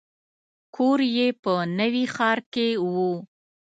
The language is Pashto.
کور یې په نوي ښار کې و.